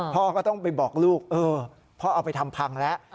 พ่อก็ต้องไปบอกลูกเออพ่อเอาไปทำพังแล้ว